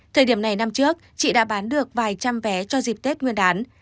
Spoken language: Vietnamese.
thời điểm này năm trước chị đã bán được vài trăm vé cho dịp tết nguyên đán